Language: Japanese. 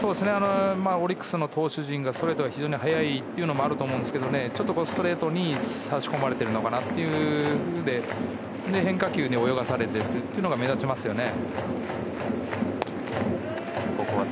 オリックスの投手陣がストレートが非常に速いのもあると思うんですけどちょっとストレートに差し込まれているのかなというのであと変化球に泳がされているのが目立ちますね。